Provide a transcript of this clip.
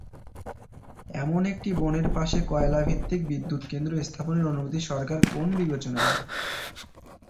এমন একটি বনের পাশে কয়লাভিত্তিক বিদ্যুৎকেন্দ্র স্থাপনের অনুমতি সরকার কোন বিবেচনায় দেয়?